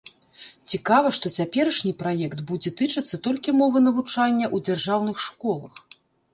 Цікава, што цяперашні праект будзе тычыцца толькі мовы навучання ў дзяржаўных школах.